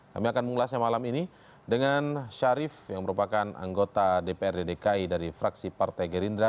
kami akan mengulasnya malam ini dengan syarif yang merupakan anggota dprd dki dari fraksi partai gerindra